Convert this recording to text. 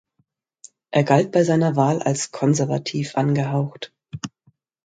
Er galt bei seiner Wahl als "konservativ angehaucht".